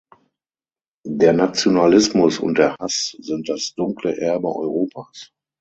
Der Nationalismus und der Hass sind das dunkle Erbe Europas.